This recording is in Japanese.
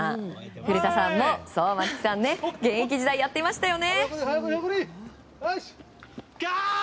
古田さんも現役時代にやっていましたよね。